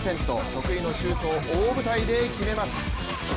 得意のシュートを大舞台で決めます。